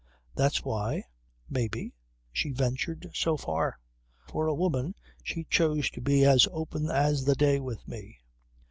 That's why, may be, she ventured so far. For a woman she chose to be as open as the day with me.